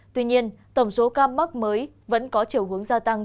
tuy nhiên tổng số ca mắc mới vẫn có chiều hướng gia tăng